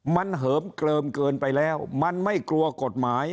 มันเหิมเกลิมเกินไปแล้วมันไม่กลัวกฎหมาย